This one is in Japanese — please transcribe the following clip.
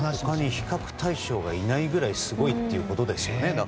他に比較対象がいないくらいすごいということですよね。